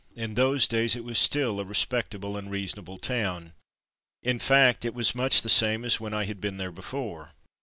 In those days it was Still a respectable and reasonable town. In fact it was much the same as when I had been there before.